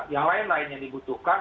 yang lain lain yang dibutuhkan